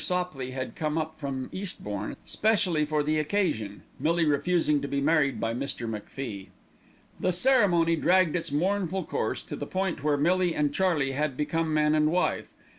Sopley had come up from Eastbourne specially for the occasion, Millie refusing to be married by Mr. MacFie. The ceremony dragged its mournful course to the point where Millie and Charlie Dixon had become man and wife.